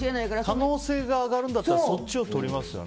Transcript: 可能性が上がるんだったらそっちをとりますよね。